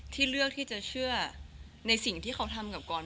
เลือกที่จะเชื่อในสิ่งที่เขาทำกับกร